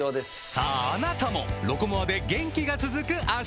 さぁあなたも「ロコモア」で元気が続く脚へ！